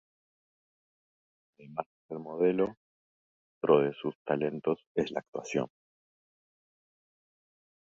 Además de ser modelo, otro de sus talentos es la actuación.